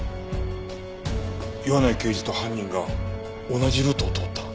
岩内刑事と犯人が同じルートを通った。